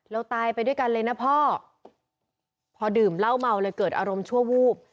เราตายไปด้วยกันเลยนะพ่อพอดื่มเหล้าเมาเลยเกิดอารมณ์ชั่ววูบ